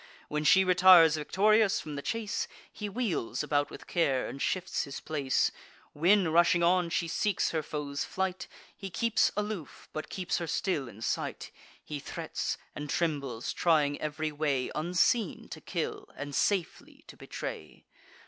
When she retires victorious from the chase, He wheels about with care, and shifts his place; When, rushing on, she seeks her foes in fight, He keeps aloof, but keeps her still in sight: He threats, and trembles, trying ev'ry way, Unseen to kill, and safely to betray.